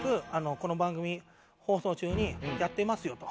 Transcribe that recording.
この番組放送中にやっていますよと。